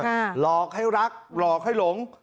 หลอกให้รักหลอกให้หลง